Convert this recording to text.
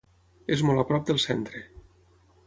És molt a prop del centre.